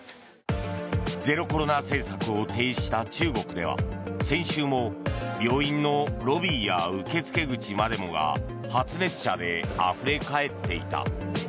ゼロコロナ政策を停止した中国では先週も病院のロビーや受付口までもが発熱者であふれ返っていた。